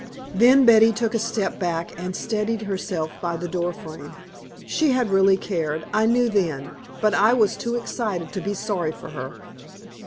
Then Betty took a step back and steadied herself by the door frame. She had really cared, I knew then, but I was too excited to be sorry for her.